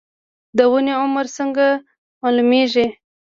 د ونې عمر څنګه معلومیږي؟